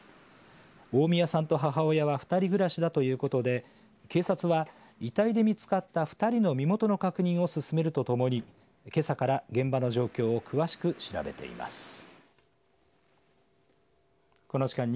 大宮さんと母親は２人暮らしだということで警察は、遺体で見つかった２人の身元の確認を進めるとともにけさから現場の状況を詳しく調べています。